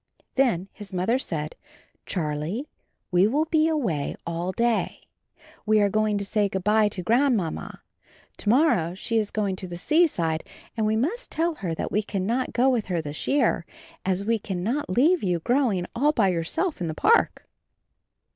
Then his Mother said: "Charlie, we will be away all day. We are going to say good by to Grandmamma ; to morrow she is going to the seaside and we must tell her that we cannot go with her this year, as we can not leave you growing all by yourself in the park."